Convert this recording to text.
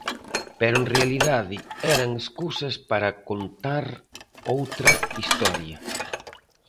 Pero en realidade eran escusas para contar outra historia.